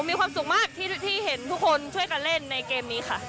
มีความสุขมากที่เห็นทุกคนช่วยกันเล่นในเกมนี้ค่ะ